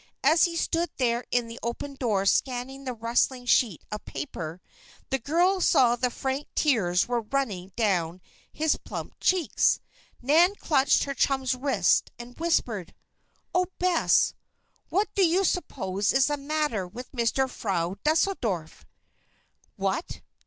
As he stood there in the open door scanning the rustling sheet of paper, the girl saw that frank tears were running down his plump cheeks. Nan clutched her chum's wrist, and whispered: "Oh, Bess! what do you suppose is the matter with Mister Frau Deuseldorf?" "What?